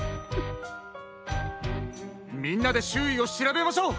みんなでしゅういをしらべましょう。